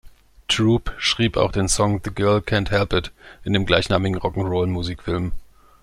Troup schrieb auch den Song "The Girl Can't Help It" in dem gleichnamigen Rock'n'Roll-Musikfilm.